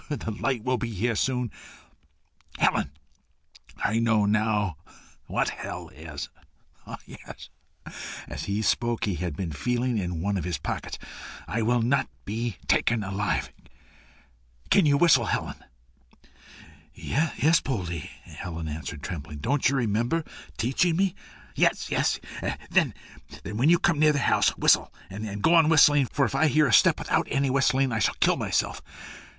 Ugh! the light will be here soon. Helen, I know now what hell is. Ah! Yes." As he spoke he had been feeling in one of his pockets. "I will not be taken alive. Can you whistle, Helen?" "Yes, Poldie," answered Helen, trembling. "Don't you remember teaching me?" "Yes, yes. Then, when you come near the house, whistle, and go on whistling, for if I hear a step without any whistling, I shall kill myself."